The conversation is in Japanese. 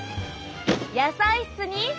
野菜室に。